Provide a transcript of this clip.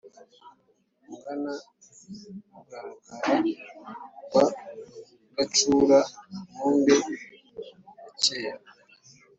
ungana rugaragara rwa gacura-nkumbi yakera